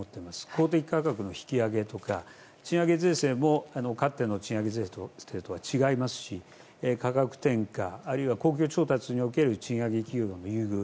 公的価格の引き上げとか賃上げ税制もかつての賃上げ税制とは違いますし価格転嫁あるいは公共調達における賃上げ給与の優遇